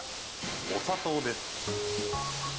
お砂糖です。